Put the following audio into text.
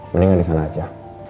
mendingan di sana aja